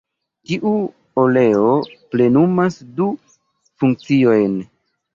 Tiu oleo plenumas du funkciojn.